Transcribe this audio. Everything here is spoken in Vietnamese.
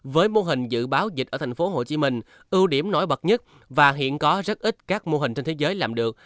với mô hình dự báo dịch ở tp hcm ưu điểm nổi bật nhất và hiện có rất ít các mô hình trên thế giới làm được